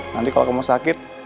nanti kalau kamu sakit